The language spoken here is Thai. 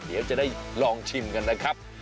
เดี๋ยวจะได้ลองชิมกันนะครับ